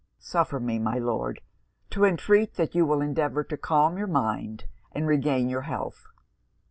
Suffer me, my Lord, to entreat that you will endeavour to calm your mind and regain your health.